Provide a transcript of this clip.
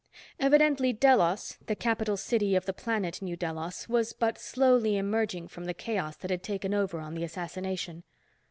Evidently Delos, the capital city of the planet New Delos, was but slowly emerging from the chaos that had taken over on the assassination.